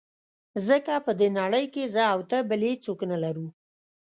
ځکه په دې نړۍ کې زه او ته بل هېڅوک نه لرو.